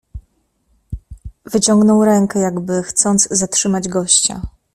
"Wyciągnął rękę, jakby chcąc zatrzymać gościa."